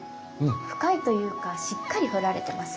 深いというかしっかり彫られてますよね。